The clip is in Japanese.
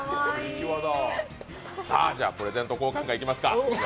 プレゼント交換会、いきますか！